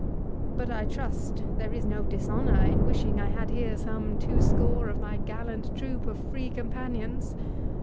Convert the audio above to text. But I trust there is no dishonour in wishing I had here some two scores of my gallant troop of Free Companions?